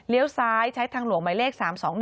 ซ้ายใช้ทางหลวงหมายเลข๓๒๑